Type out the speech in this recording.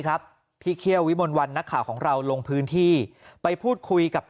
ครับพี่เคี่ยววิมลวันนักข่าวของเราลงพื้นที่ไปพูดคุยกับ